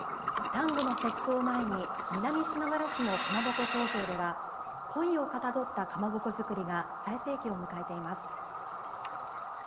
端午の節句を前に南島原市のかまぼこ工場ではこいをかたどったかまぼこづくりが最盛期を迎えています。